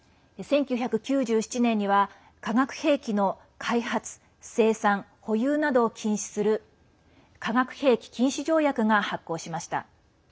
１９９７年には化学兵器の開発・生産・保有などを禁止する化学兵器禁止条約が発効しました。